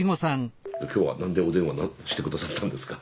今日は何でお電話して下さったんですか？